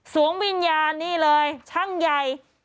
วงวิญญาณนี่เลยช่างใหญ่